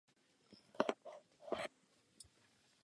Jednoduchý pravoúhlý vchod je z jižní strany.